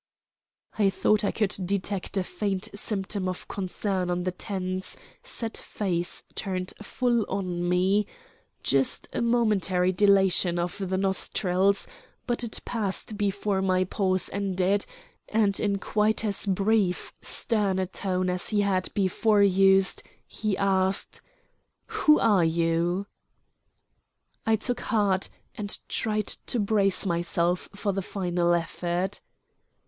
I thought I could detect a faint symptom of concern on the tense, set face turned full on me just a momentary dilation of the nostrils; but it passed before my pause ended, and in quite as brief, stern a tone as he had before used he asked: "Who are you?" I took heart, and tried to brace myself for the final effort.